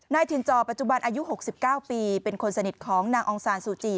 นายถิ่นจอปัจจุบันอายุหกสิบเก้าปีเป็นคนสนิทของนางองศาลซูจี